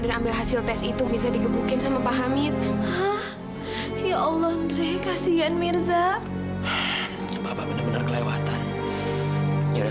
sampai jumpa di video selanjutnya